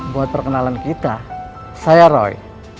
buat perkenalan kita saya roy